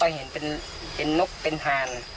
ผมก็เห็นเป็นนกเป็นห่าน